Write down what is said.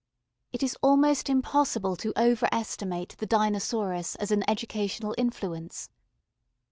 It is almost impossible to over estimate the Dinosaurus as an educational influence.